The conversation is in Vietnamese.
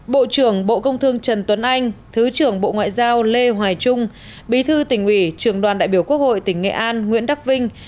bộ trưởng bộ công thương trần tuấn anh thứ trưởng bộ ngoại giao lê hoài trung bí thư tỉnh ủy trường đoàn đại biểu quốc hội tỉnh nghệ an nguyễn đắc vinh